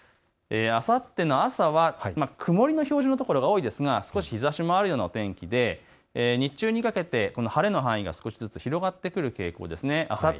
天気の分布を見てみますとあさっての朝は曇りの表示の所が多いですが少し日ざしもあるような天気で日中にかけて晴れの範囲が少しずつ広がってくる傾向です。